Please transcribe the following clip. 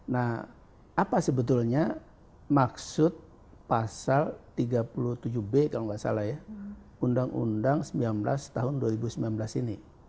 nah apa sebetulnya maksud pasal tiga puluh tujuh b kalau nggak salah ya undang undang sembilan belas tahun dua ribu sembilan belas ini